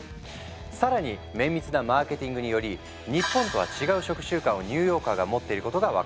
更に綿密なマーケティングにより日本とは違う食習慣をニューヨーカーが持っていることが分かった。